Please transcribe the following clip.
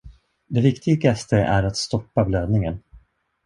Det viktigaste är att stoppa blödningen.